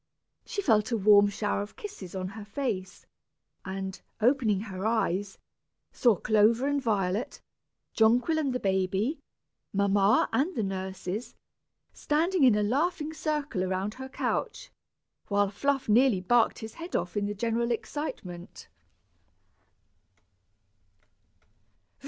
She felt a warm shower of kisses on her face; and, opening her eyes, saw Clover and Violet, Jonquil and the baby, mamma and the nurses, standing in a laughing circle around her couch, while Fluff nearly barked his head off in the general excitement.